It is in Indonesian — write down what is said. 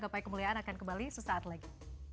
gapai kemuliaan akan kembali sesaat lagi